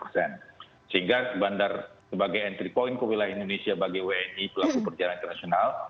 sehingga bandar sebagai entry point ke wilayah indonesia bagi wni pelaku perjalanan internasional